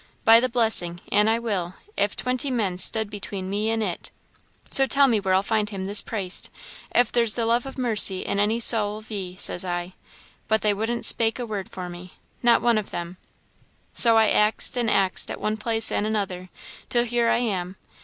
by the blessing, an' I will, if twenty men stud between me an' it. So tell me where I'll find him, this praist, if there's the love o' mercy in any sowl o' ye,' says I. But they wouldn't spake a word for me, not one of them; so I axed an' axed at one place an' other, till here I am.